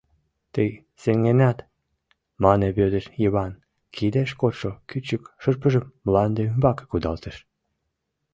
— Тый сеҥенат, — мане Вӧдыр Йыван, кидеш кодшо кӱчык шырпыжым мланде ӱмбаке кудалтыш.